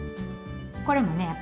これもね